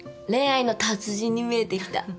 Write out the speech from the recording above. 恋愛の達人に見えてきた。